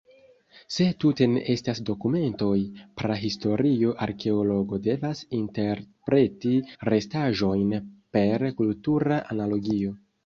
Se tute ne estas dokumentoj, prahistoria arkeologo devas interpreti restaĵojn per kultura analogio.